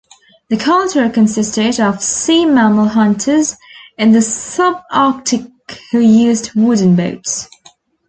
The culture consisted of sea-mammal hunters in the subarctic who used wooden boats.